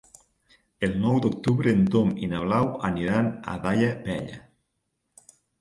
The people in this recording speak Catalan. El nou d'octubre en Tom i na Blau aniran a Daia Vella.